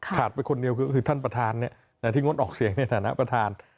ไปคนเดียวก็คือท่านประธานที่งดออกเสียงในฐานะประธาน